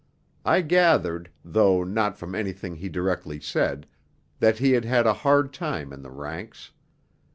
I gathered though not from anything he directly said that he had had a hard time in the ranks.